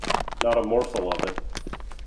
Not a morsel of it.